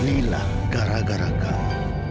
lila gara gara kau aku ingin melayat